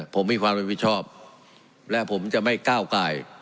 ผมมีความรับผิดชอบและผมจะไม่ก้าวกาย